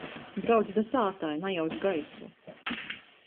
Brauc da sātai, najauc gaisu.